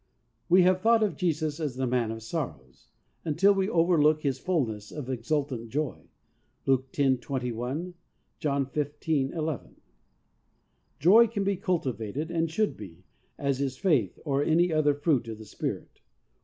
We have thought of Jesus as "the Man of Sorrows" until we overlook His fulness of exultant joy. (Luke lo : 21 ; John 15 : 11.) Joy can be cultivated and should be, as is faith or any other fruit of the Spirit.